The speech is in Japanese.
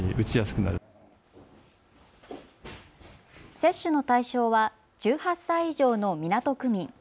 接種の対象は１８歳以上の港区民。